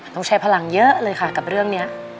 ต้องใช้พลังเยอะเลยค่ะกับเรื่องนี้